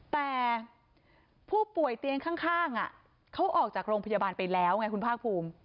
แต่ผู้ป่วยเตียงข้างเขาออกจากโรงพยาบาลไปแล้วไงคุณภาคภูมิ